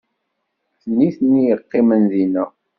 D nitni i yeqqimen dinna.